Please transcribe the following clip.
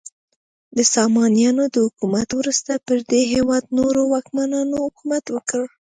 د سامانیانو د حکومت وروسته پر دې هیواد نورو واکمنانو حکومت وکړ.